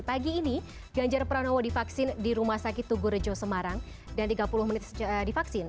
pagi ini ganjar pranowo divaksin di rumah sakit tugurejo semarang dan tiga puluh menit divaksin